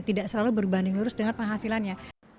tidak selalu berbanding lurus dengan penghasilannya